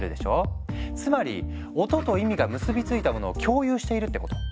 つまり音と意味が結びついたものを共有しているってこと。